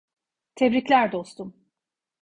Tebrikler dostum.